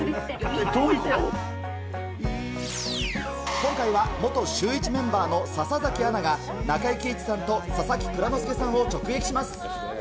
今回は元シューイチメンバーの笹崎アナが、中井貴一さんと佐々木蔵之介さんを直撃します。